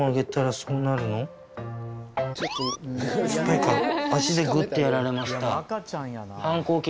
酸っぱいか足でグッてやられました。